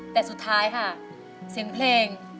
แต่สุดท้ายค่ะเสียงเพลง